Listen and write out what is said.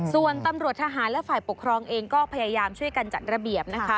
ส่วนตำรวจทหารและฝ่ายปกครองเองก็พยายามช่วยกันจัดระเบียบนะคะ